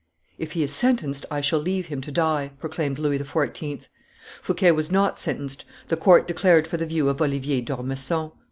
"If he is sentenced, I shall leave him to die," proclaimed Louis XIV. Fouquet was not sentenced; the court declared for the view of Oliver d'Ormesson.